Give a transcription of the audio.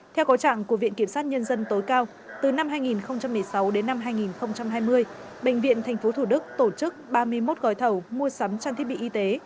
theo có trạng của viện kiểm sát nhân dân tối cao từ năm hai nghìn một mươi sáu đến năm hai nghìn hai mươi bệnh viện tp thủ đức tổ chức ba mươi một gói thầu mua sắm trang thiết bị y tế